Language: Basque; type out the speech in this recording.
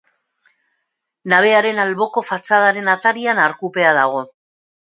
Nabearen alboko fatxadaren atarian arkupea dago.